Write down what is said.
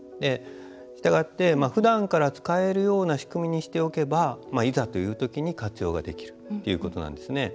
したがって、ふだんから使えるような仕組みにしておけばいざという時に活用ができるっていうことなんですね。